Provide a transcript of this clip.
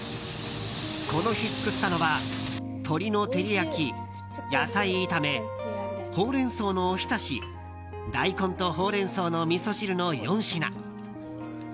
この日作ったのは鶏の照り焼き野菜炒め、ほうれん草のおひたし大根とほうれん草のみそ汁の４品。